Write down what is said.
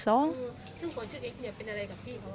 สองซึ่งคนชื่อเอ็กซเนี่ยเป็นอะไรกับพี่เขา